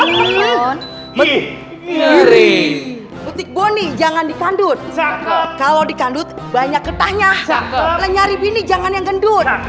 jalan jalan ini jalan dikandut kalau dikandut banyak ketahnya nyari bini jangan yang gendut